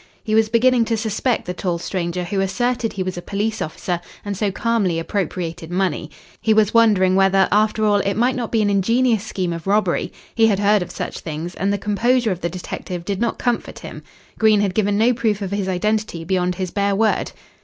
He was beginning to suspect the tall stranger who asserted he was a police officer, and so calmly appropriated money. He was wondering whether, after all, it might not be an ingenious scheme of robbery. He had heard of such things, and the composure of the detective did not comfort him. Green had given no proof of his identity beyond his bare word.